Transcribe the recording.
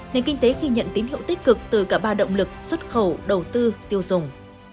nền kinh tế khi nhận tín hiệu tích cực từ cả ba động lực xuất khẩu đầu tư tiêu dùng